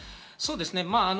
そうですね。